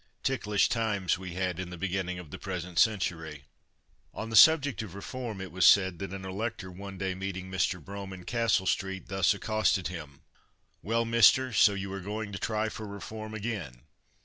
Ticklish times we had in the beginning of the present century. On the subject of Reform, it was said that an elector one day meeting Mr. Brougham in Castle street, thus accosted him: "Well, Mister, so you are going to try for Reform again?"